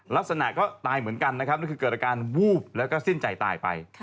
ลักษณะก็ตายเหมือนกันนะครับนั่นคือเกิดอาการวูบแล้วก็สิ้นใจตายไป